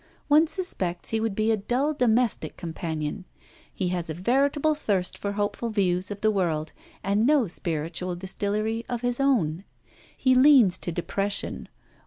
One suspects he would be a dull domestic companion. He has a veritable thirst for hopeful views of the world, and no spiritual distillery of his own. He leans to depression.